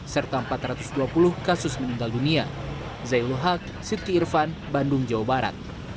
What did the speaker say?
serta empat ratus dua puluh kasus meninggal dunia